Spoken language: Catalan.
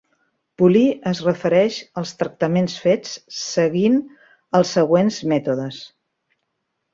Polir es refereix als tractaments fets seguint els següents mètodes.